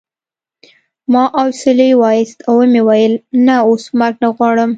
ما اسویلی وایست او و مې ویل نه اوس مرګ نه غواړم